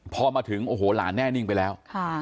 พอมาถึงหลานแน่นิ่งไปแล้ว